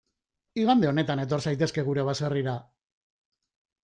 Igande honetan etor zaitezke gure baserrira.